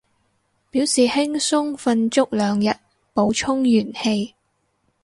表示輕鬆瞓足兩日，補充元氣